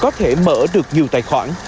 có thể mở được nhiều tài khoản